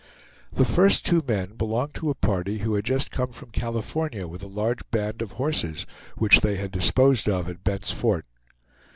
The first two men belonged to a party who had just come from California with a large band of horses, which they had disposed of at Bent's Fort.